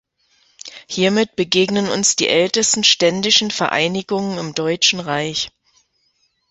Hiermit begegnen uns die ältesten ständischen Vereinigungen im Deutschen Reich.